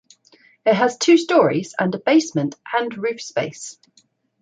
It has two storeys and a basement and roof space.